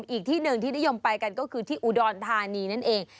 อีกที่หนึ่งที่นิยมไปกันก็คือที่อุดรธานีนั่นเอง